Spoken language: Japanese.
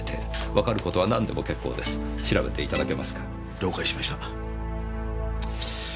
了解しました。